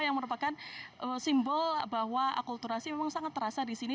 yang merupakan simbol bahwa akulturasi memang sangat terasa di sini